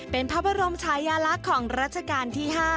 เป็นพระบรมชายาลักษณ์ของรัชกาลที่๕